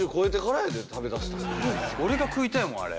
俺が食いたいもんあれ。